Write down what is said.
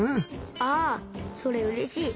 ああそれうれしい。